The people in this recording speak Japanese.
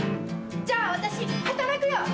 じゃあ私働くよ！